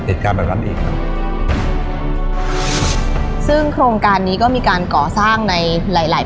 เหตุการณ์แบบนั้นอีกครับซึ่งโครงการนี้ก็มีการก่อสร้างในหลายหลาย